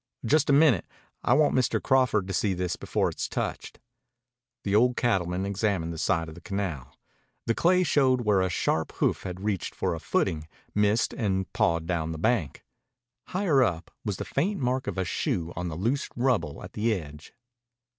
"Just a minute. I want Mr. Crawford to see this before it's touched." The old cattleman examined the side of the canal. The clay showed where a sharp hoof had reached for a footing, missed, and pawed down the bank. Higher up was the faint mark of a shoe on the loose rubble at the edge.